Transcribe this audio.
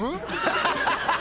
ハハハ！